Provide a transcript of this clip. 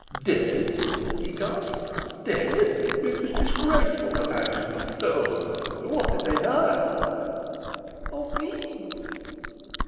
"Dead?" he gasped. "Dead? It is disgraceful that I was not told. What did they die of?" "Of me."